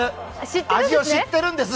味を知ってるんです！